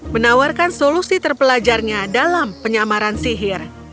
menawarkan solusi terpelajarnya dalam penyamaran sihir